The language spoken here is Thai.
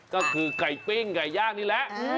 ก็คือไก่ปิ้งไก่ย่างนี่แหละ